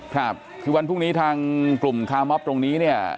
ครับคือวันพรุ่งนี้ทางกลุ่มคาร์มอบตรงนี้เนี่ย